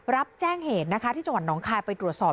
รับแจ้งเหตุนะคะที่จังหวัดน้องคายไปตรวจสอบ